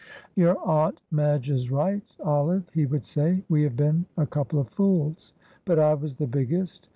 "Your Aunt Madge is right, Olive," he would say, "we have been a couple of fools; but I was the biggest.